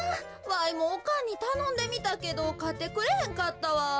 わいもおかんにたのんでみたけどかってくれへんかったわ。